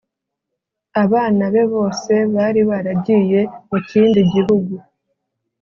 Abana be bose bari baragiye mukindi gihugu.